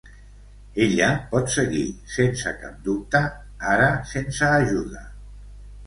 Ella pot seguir, sense cap dubte, ara sense ajuda.